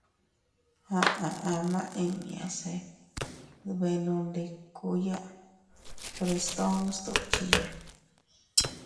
Aʼa ama inña se dbenondikuya Frestón sdukchiya.